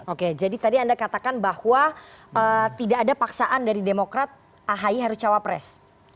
oke jadi tadi anda katakan bahwa tidak ada paksaan dari demokrat ahi harus cawapres